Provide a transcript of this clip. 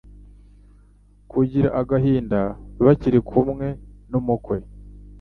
kugira agahinda bakiri kumwe n'umukwe?"